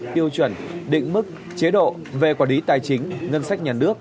tiêu chuẩn định mức chế độ về quả đí tài chính ngân sách nhà nước